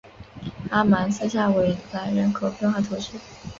阿芒斯下韦兰人口变化图示